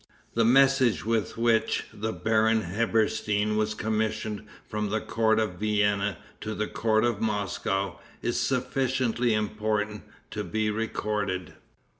The message with which the Baron Herberstein was commissioned from the court of Vienna to the court of Moscow is sufficiently important to be recorded.